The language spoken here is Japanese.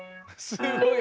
すごい！